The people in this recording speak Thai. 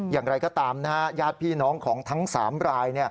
อย่างไรก็ตามนะฮะญาติพี่น้องของทั้ง๓ราย